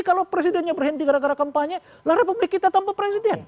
kalau presidennya berhenti gara gara kampanye lah republik kita tanpa presiden